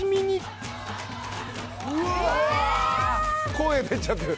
声出ちゃってる。